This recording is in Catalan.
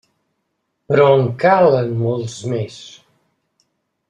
Però en calen molts més!